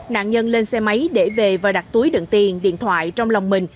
nạn nhân lên xe máy để về và đặt túi đựng tiền điện thoại trong lòng mình